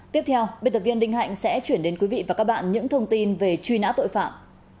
tiếp theo biên tập viên đinh hạnh sẽ chuyển đến quý vị và các bạn những thông tin về truy nã tội phạm